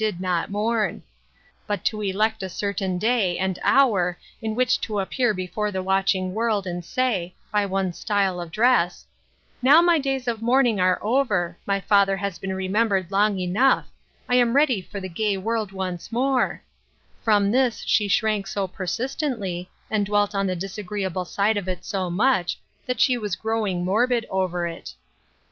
35 did not mourn ; but to elect a certain dav and hour in which to appear before the watching world and say, by one's style of dress, " Now my days of mourning are over ; my father has been remembered long enough ; I am ready for the gay world once more" — from this she shrank so per sistently, and dwelt on the disagreeable side of it so much, that she was growing morbid over it.